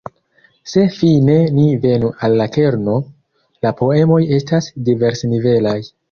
Se fine ni venu al la kerno, la poemoj estas diversnivelaj.